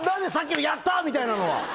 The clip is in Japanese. さっきのやった！みたいなのは。